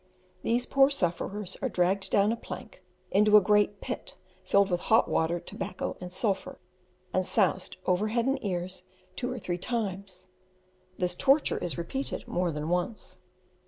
These poor sufferers are dragged down a plank into a great pit filled with hot water, tobacco, and sulphur, and soused over head and ears two or three times. This torture is repeated more than once.